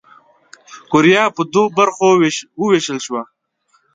کوریا پر دوو برخو ووېشل شوه.